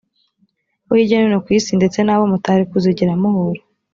bo hirya no hino ku isi ndetse n abo mutari kuzigera muhura